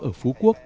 ở phú quốc